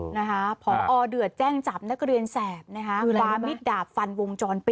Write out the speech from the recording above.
นะคะพอเดือดแจ้งจับนักเรียนแสบนะคะคือคว้ามิดดาบฟันวงจรปิด